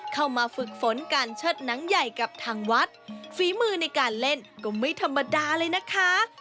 เข้ามาฝึกฝนการเชิดหนังใหญ่กับทางวัดฝีมือในการเล่นก็ไม่ธรรมดาเลยนะคะ